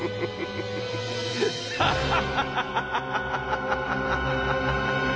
ハッハッハハハ！